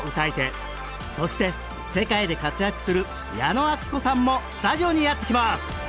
そして世界で活躍する矢野顕子さんもスタジオにやって来ます。